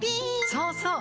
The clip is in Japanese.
そうそう！